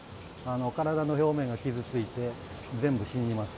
体の表面が傷ついて全部死にます。